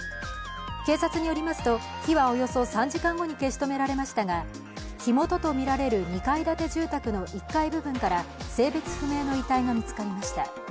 警察によりますと、火はおよそ３時間後に消し止められましたが、火元とみられる２階建ての住宅の１階部分から性別不明の遺体が見つかりました。